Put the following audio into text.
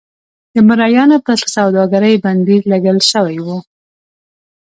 د مریانو پر سوداګرۍ بندیز لګول شوی و.